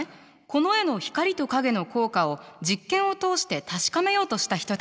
この絵の光と影の効果を実験を通して確かめようとした人たちがいるの。